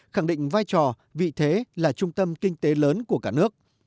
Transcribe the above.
khẳng định vai trò vị thế là trung tâm kinh tế lớn của cả nước